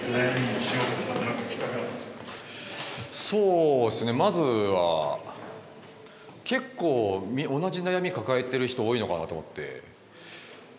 そうですねまずは結構同じ悩み抱えてる人多いのかなと思って。